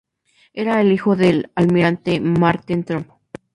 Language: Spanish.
Era el hijo del almirante Maarten Tromp.